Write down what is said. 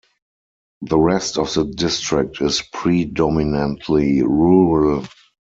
The rest of the district is predominantly rural.